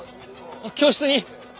教室に。